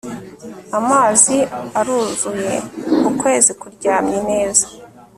Amazi aruzuye ukwezi kuryamye neza